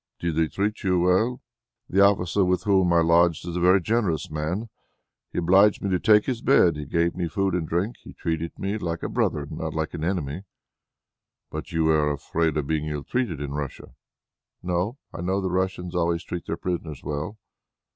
"Did they treat you well?" "The officer with whom I lodged is a very generous man. He obliged me to take his bed; he gave me food and drink; he treated me like a brother not like an enemy." "But were you afraid of being ill treated in Russia?" "No. I know that the Russians always treat their prisoners well."